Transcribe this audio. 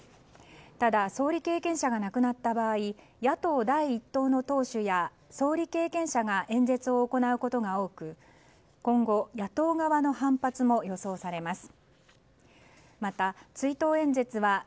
ただ、総理経験者が亡くなった場合野党第１党の党首や総理経験者が演説を行うことが多く今後、野党側の反発も予想されます。